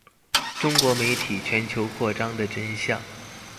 中國媒體全球擴張的真相